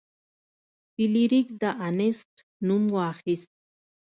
فلیریک د انیسټ نوم واخیست.